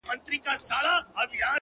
خاوري دي ژوند سه! دا دی ارمان دی!